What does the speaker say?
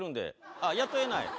あっ、雇えない？